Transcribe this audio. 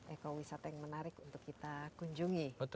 eko wisata yang menarik untuk kita kunjungi